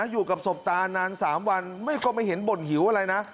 อยู่กับศพตานาน๓วันก็ไม่เห็นบ่นหิวอะไรนะ